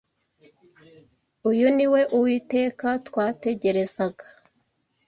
Uyu ni we Uwiteka twategerezaga